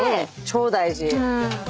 超大事。